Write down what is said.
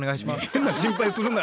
変な心配するな！